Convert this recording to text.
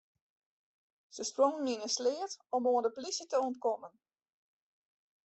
Se sprongen yn in sleat om oan de polysje te ûntkommen.